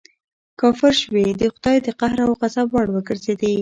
کافر شوې د خدای د قهر او غضب وړ وګرځېدې.